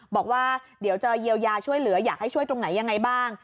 บอกว่าเดี๋ยวจะเยียวยาช่วยเหลืออยากให้ช่วยตรงไหนยังไงบ้าง